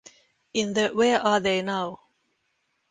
In the Where Are They Now?